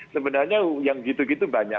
sebenarnya yang gitu gitu banyak